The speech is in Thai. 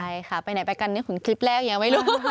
ใช่ค่ะไปไหนไปกันนี่ขุนคลิปแรกยังไม่รู้